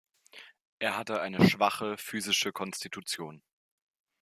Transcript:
Er hatte eine schwache physische Konstitution.